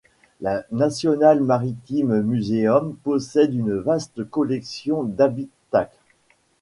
Le National Maritime Museum, possède une vaste collection d'habitacles.